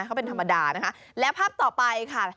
เขาเป็นธรรมดานะคะและภาพต่อไปค่ะ